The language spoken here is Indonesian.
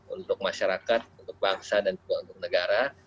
untuk masyarakat untuk bangsa dan juga untuk negara